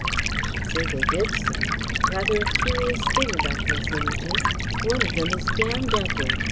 "I should say they did, sir. Rather a curious thing about those Images. One of them is damned ugly.